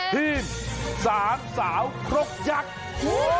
ทีม๓สาวครกยักษ์